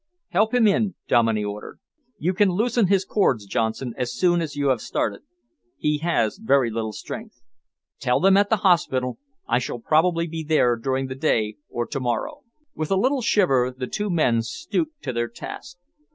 "Help him in," Dominey ordered. "You can loosen his cords, Johnson, as soon as you have started. He has very little strength. Tell them at the hospital I shall probably be there during the day, or to morrow." With a little shiver the two men stooped to their task.